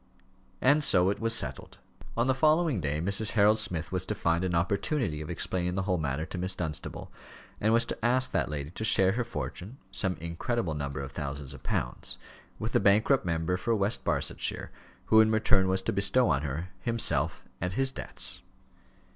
And so it was settled. On the following day Mrs. Harold Smith was to find an opportunity of explaining the whole matter to Miss Dunstable, and was to ask that lady to share her fortune some incredible number of thousands of pounds with the bankrupt member for West Barsetshire, who in return was to bestow on her himself and his debts.